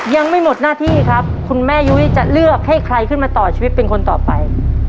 ยังไม่หมดหน้าที่ครับคุณแม่ยุ้ยจะเลือกให้ใครขึ้นมาต่อชีวิตเป็นคนต่อไป